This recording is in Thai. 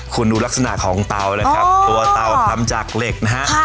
คุณดูลักษณะของเตานะครับตัวเตาทำจากเหล็กนะฮะ